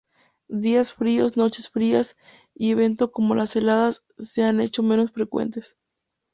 Días fríos, noches frías, y eventos como las heladas se han hecho menos frecuentes.